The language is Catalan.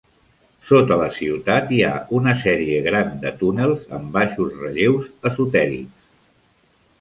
Sota la ciutat hi ha una sèrie gran de túnels amb baixos relleus esotèrics.